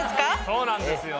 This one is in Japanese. そうなんですよ。